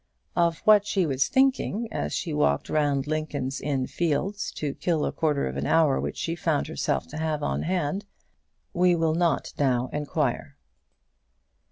Of what she was thinking as she walked round Lincoln's Inn Fields to kill a quarter of an hour which she found herself to have on hand, we will not now inquire.